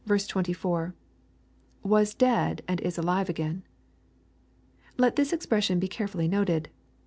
— [Was dead and is alive again.] Let this expression be care fully noted.